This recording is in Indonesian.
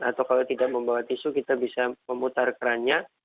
atau kalau tidak membawa tisu kita bisa memutar kerannya